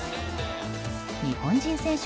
日本人選手